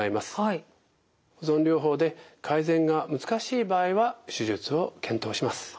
保存療法で改善が難しい場合は手術を検討します。